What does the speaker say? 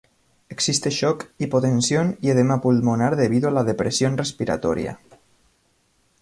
Existe shock, hipotensión y edema pulmonar debido a la depresión respiratoria.